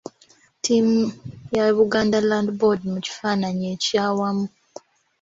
Ttiimu ya Buganda Land Board mu kifaananyi ekyawamu.